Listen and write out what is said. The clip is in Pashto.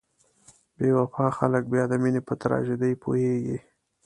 بې وفا خلک بیا د مینې په تراژیدۍ پوهیږي.